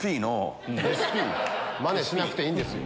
マネしなくていいんです。